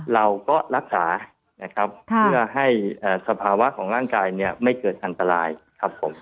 เราก็รักษานะครับเพื่อให้สภาวะของร่างกายเนี่ยไม่เกิดอันตรายครับผม